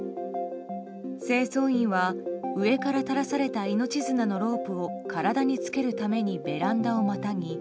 清掃員は、上から垂らされた命綱のロープを体に着けるためにベランダをまたぎ